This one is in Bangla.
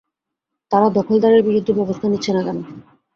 তারা দখলদারের বিরুদ্ধে ব্যবস্থা নিচ্ছে না কেন?